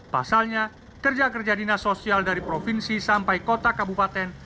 pasalnya kerja kerja dinas sosial dari provinsi sampai kota kabupaten